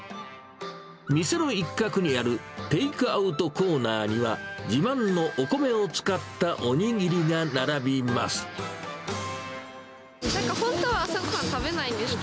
店の一角にあるテイクアウトコーナーには、自慢のお米を使ったおにぎりが並びます。